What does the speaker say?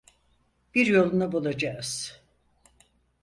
Bir yolunu bulacağız.